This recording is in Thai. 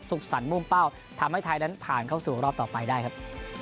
สุขสรรรับไปไปครับสุขสรรทำให้ไทยนั้นผ่านเข้าสู่รอบต่อไปได้ครับ